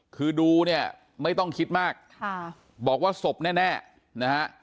คือดูเนี่ยไม่ต้องคิดมากค่ะบอกว่าศพแน่นะฮะ